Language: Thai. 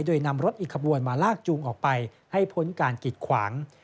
โดยนำรถอีกขบวนมาลากจูงออกไปให้พ้นการกิดขวาง